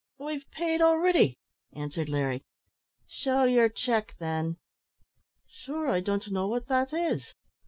"I've paid already," answered Larry. "Shew your check, then." "Sure I don't know what that is."